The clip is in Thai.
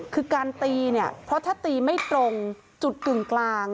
คือการตีเนี่ยเพราะถ้าตีไม่ตรงจุดกึ่งกลาง